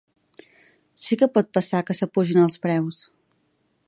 Sí que pot passar que s’apugin els preus.